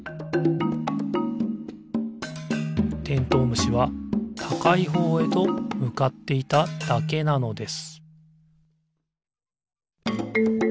虫はたかいほうへとむかっていただけなのです